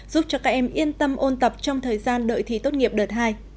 giúp cho các em yên tâm ôn tập trong thời gian đợi thi tốt nghiệp đợt hai